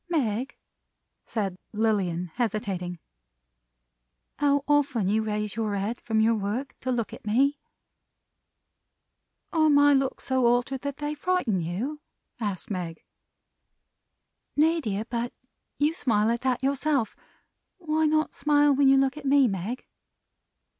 "Meg," said Lilian, hesitating. "How often you raise your head from your work to look at me!" "Are my looks so altered, that they frighten you?" asked Meg. "Nay, dear! But you smile at that yourself! Why not smile when you look at me, Meg?"